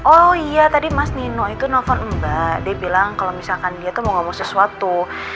oh iya tadi mas nino itu novel mbak dia bilang kalau misalkan dia tuh mau ngomong sesuatu